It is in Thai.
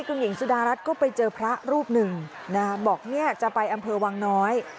คุณหญิงสุดารัฐก็ไปเจอพระรูปหนึ่งบอกเนี่ยจะไปอำเภอวังน้อย